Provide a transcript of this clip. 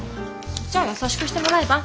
じゃあ優しくしてもらえば？